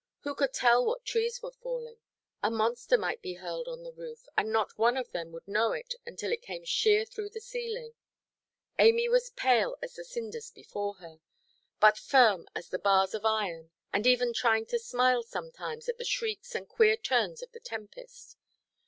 Who could tell what trees were falling? A monster might be hurled on the roof, and not one of them would know it until it came sheer through the ceiling. Amy was pale as the cinders before her, but firm as the bars of iron, and even trying to smile sometimes at the shrieks and queer turns of the tempest.